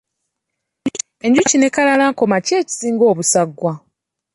Enjuki ne kalalankoma ki ekisinga obusagwa?